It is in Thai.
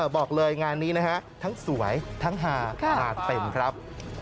บอกเลยงานนี้นะฮะทั้งสวยทั้งหามาเต็มครับ